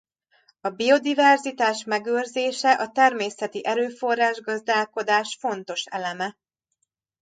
A biodiverzitás megőrzése a természeti erőforrás-gazdálkodás fontos eleme.